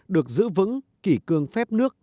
được giữ vững kỷ cương phép nước